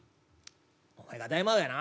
「お前が大魔王やな！